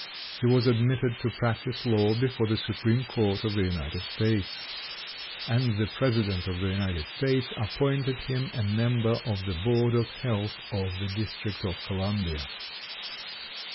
He was admitted to practice law before the Supreme Court of the United States. And the President of the United States appointed him a member of the Board of Health of the Dis trict of Columbia.